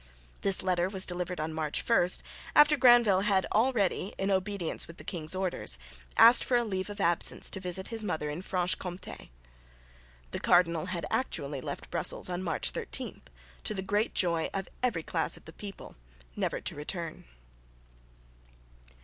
This letter was delivered on March 1, after Granvelle had already, in obedience to the king's orders, asked for leave of absence to visit his mother in Franche Comté. The cardinal actually left Brussels on March 13, to the great joy of every class of the people, never to return.